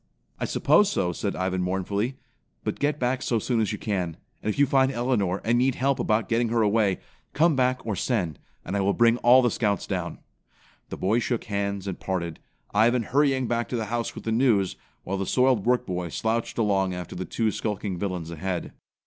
"I suppose so," said Ivan mournfully, "but get back so soon as you can. And if you find Elinor, and need help about getting her away, come back or send, and I will bring all the Scouts down." The boys shook hands and parted, Ivan hurrying back to the house with the news, while the soiled work boy slouched along after the two skulking villains ahead.